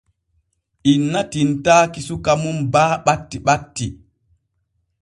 Inna tinntaaki suka mum baa ɓatti ɓatti.